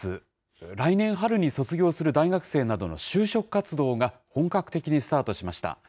来年春に卒業する大学生などの就職活動が本格的にスタートしました。